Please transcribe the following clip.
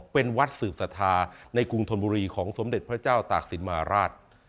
เป็นวัดสืบศรัทธาในกรุงธนบุรีของสมเด็จพระเจ้าตากศิลปราช